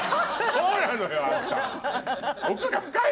そうなのよあんた！